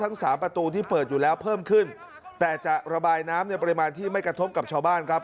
สามประตูที่เปิดอยู่แล้วเพิ่มขึ้นแต่จะระบายน้ำในปริมาณที่ไม่กระทบกับชาวบ้านครับ